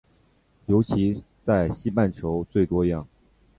尤其在西半球最多样。